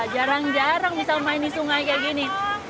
jarang jarang bisa main di sungai seperti ini